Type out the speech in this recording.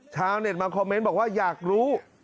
ชาวเน็ตมาคอมเมนต์บอกว่าอยากรู้